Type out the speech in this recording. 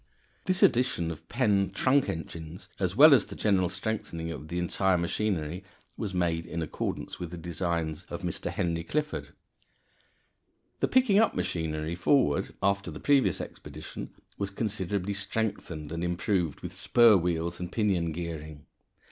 This addition of Penn trunk engines, as well as the general strengthening of the entire machinery, was made in accordance with the designs of Mr. Henry Clifford. [Illustration: FIG. 37. The Picking up Machine, 1866.] The picking up machinery forward (Fig. 37) after the previous expedition was considerably strengthened and improved with spur wheels and pinion gearing.